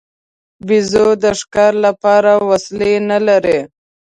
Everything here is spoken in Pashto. بیزو د ښکار لپاره وسلې نه لري.